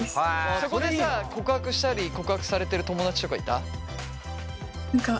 そこでさ告白したり告白されてる友だちとかいた？